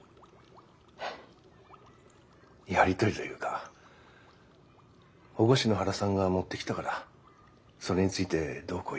やり取りというか保護司の原さんが持ってきたからそれについてどうこう言っただけですよ。